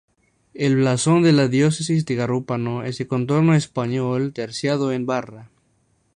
El blasón de la Diócesis de Carúpano es de contorno español, terciado en barra.